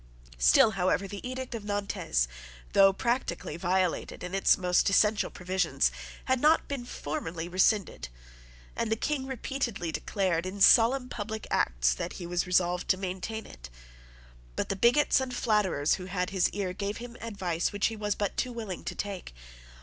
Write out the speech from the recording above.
Still, however, the edict of Nantes, though practically violated in its most essential provisions, had not been formally rescinded; and the King repeatedly declared in solemn public acts that he was resolved to maintain it. But the bigots and flatterers who had his ear gave him advice which he was but too willing to take.